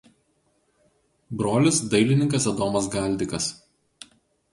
Brolis dailininkas Adomas Galdikas.